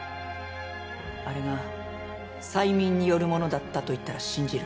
あれが催眠によるものだったと言ったら信じる？